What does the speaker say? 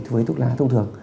với thuốc lá thông thường